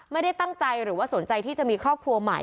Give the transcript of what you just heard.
ไม่ได้ตั้งใจหรือว่าสนใจที่จะมีครอบครัวใหม่